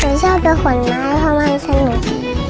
ผมชอบเป็นผลไม้เพราะมันสนุก